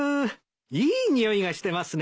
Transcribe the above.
いい匂いがしてますね。